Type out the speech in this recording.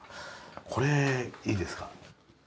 これいいですか？